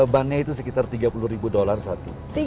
ban nya itu sekitar tiga puluh ribu dollar satu